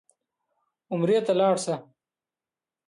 عمرې ته لاړ شه.